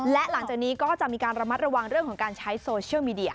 และหลังจากนี้ก็จะมีการระมัดระวังเรื่องของการใช้โซเชียลมีเดีย